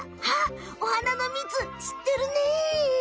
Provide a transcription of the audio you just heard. あっおはなのみつすってるね！